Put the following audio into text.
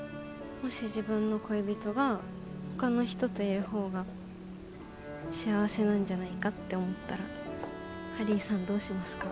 もし自分の恋人がほかの人といる方が幸せなんじゃないかって思ったらハリーさんどうしますか？